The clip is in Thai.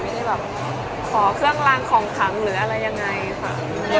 ไม่ได้แบบขอเครื่องลางของขังหรืออะไรยังไงค่ะ